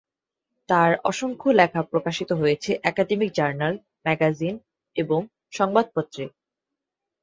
তার অসংখ্য লেখা প্রকাশিত হয়েছে একাডেমিক জার্নাল, ম্যাগাজিন এবং সংবাদপত্রে।